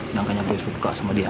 jangkanya gue suka sama dia